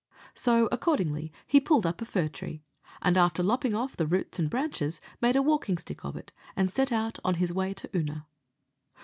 So, accordingly, he pulled up a fir tree, and, after lopping off the roots and branches, made a walking stick of it, and set out on his way to Oonagh.